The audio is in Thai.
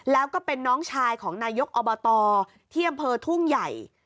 แล้วก็เป็นน้องชายของนายกอบตที่อำเภอทุ่งใหญ่